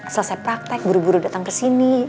selesai praktek buru buru datang kesini